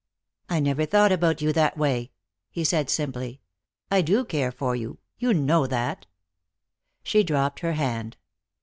"I never thought about you that way," he said, simply. "I do care for you. You know that." She dropped her hand.